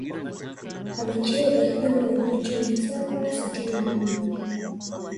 Amecheza jumla ya mechi mia saba sitini na nane